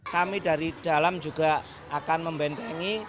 kami dari dalam juga akan membentengi